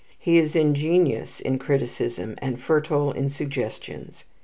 He is ingenious in criticism, and fertile in suggestions.